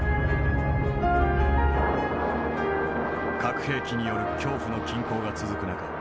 核兵器による恐怖の均衡が続く中